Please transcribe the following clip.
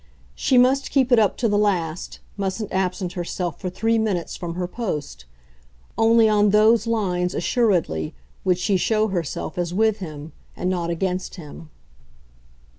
She must keep it up to the last, mustn't absent herself for three minutes from her post: only on those lines, assuredly, would she show herself as with him and not against him.